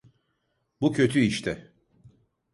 Bu kötü işte.